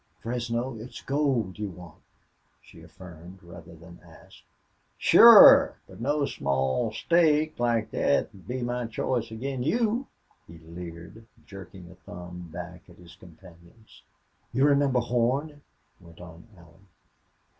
"Fresno, it's gold you want," she affirmed, rather than asked. "Sure. But no small stake like thet'd be my choice ag'in' you," he leered, jerking a thumb back at his companions. "You remember Horn?" went on Allie.